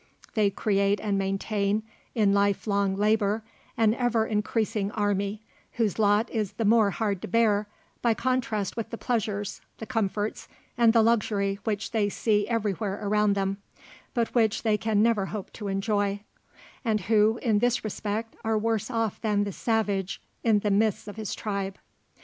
They create and maintain in life long labour an ever increasing army, whose lot is the more hard to bear, by contrast with the pleasures, the comforts, and the luxury which they see everywhere around them, but which they can never hope to enjoy; and who, in this respect, are worse off than the savage in the midst of his tribe.